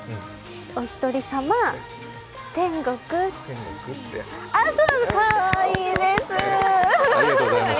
おひとりさま、天国ってそうです、かわいいです。